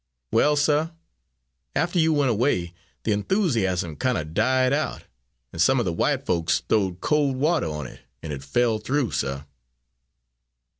"Well, suh, after you went away the enthusiasm kind of died out, and some of the white folks throwed cold water on it, and it fell through, suh."